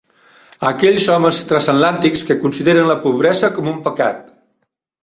Aquells homes transatlàntics que consideren la pobresa com un pecat